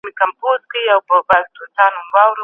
لمونځ، روژه، زکات، حج او نور.